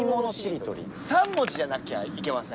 ３文字じゃなきゃいけません。